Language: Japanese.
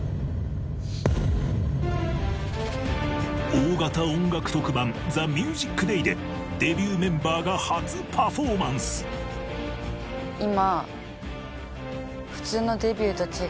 大型音楽特番『ＴＨＥＭＵＳＩＣＤＡＹ』でデビューメンバーが初パフォーマンス今。